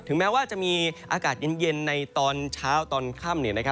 แม้ว่าจะมีอากาศเย็นในตอนเช้าตอนค่ำ